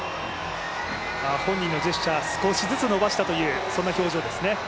本人のジェスチャー、少しずつ伸ばしたという、そんな表情ですね。